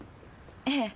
ええ。